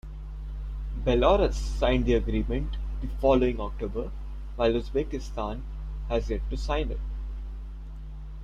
Belarus signed the agreement the following October while Uzbekistan has yet to sign it.